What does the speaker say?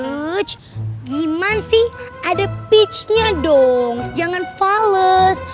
ujj gimana sih ada pitch nya doms jangan fales